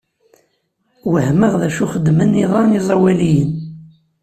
Wehmeɣ d acu xeddmen iḍ-a iẓawaliyen.